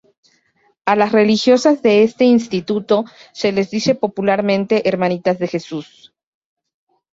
A las religiosas de este instituto se les dice popularmente Hermanitas de Jesús.